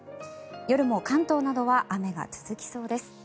夜も関東などは雨が続きそうです。